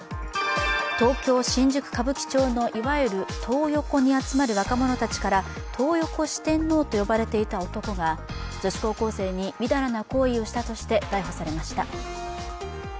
東京・新宿歌舞伎町のいわゆるトー横に集まる若者たちからトー横四天王と呼ばれていた男が女子高校生にみだらな行為をしたとして逮捕されました。